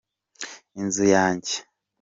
inzu yanjye.